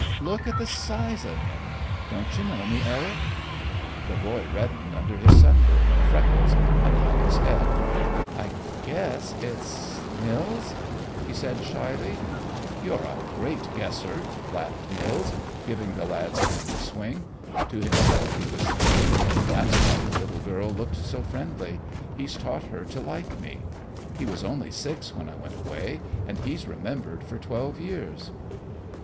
Look at the size of him! Don't you know me, Eric?" The boy reddened under his sunburn and freckles, and hung his head. "I guess it's Nils," he said shyly. "You're a good guesser," laughed Nils, giving the lad's hand a swing. To himself he was thinking: "That's why the little girl looked so friendly. He's taught her to like me. He was only six when I went away, and he's remembered for twelve years."